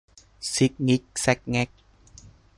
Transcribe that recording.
ซิกงิกแซ็กแง็ก